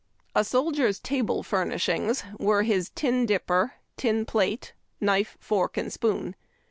A soldier's table furnishings were his tin dipper, tin plate, knife, fork, and spoon.